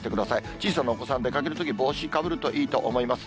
小さなお子さん、出かけるとき、帽子かぶるといいと思います。